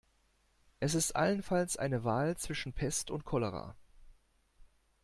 Es ist allenfalls eine Wahl zwischen Pest und Cholera.